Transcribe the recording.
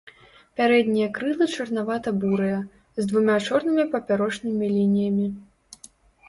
Пярэднія крылы чырванавата-бурыя, з двума чорнымі папярочнымі лініямі.